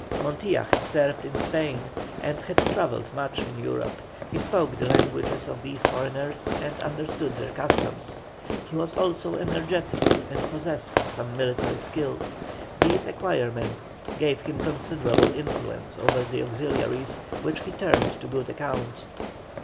Montilla had served in Spain, and had travelled much in Europe; he spoke the languages of these foreigners and understood their customs. He was also energetic and was possessed of some military skill. These acquirements gave him considerable influence over the auxiliaries, which he turned to good account.